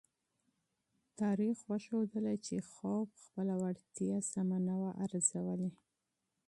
تاریخ وښودله چې چیخوف خپله وړتیا سمه نه وه ارزولې.